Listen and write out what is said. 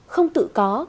không tự có